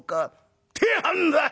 ってやんだよ！」。